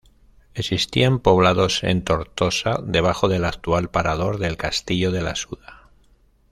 Existían poblados en Tortosa, debajo del actual Parador del Castillo de la Suda.